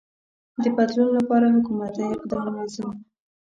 د بدلون لپاره حکومتی اقدام لازم دی.